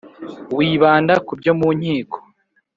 wibanda ku byo mu nkiko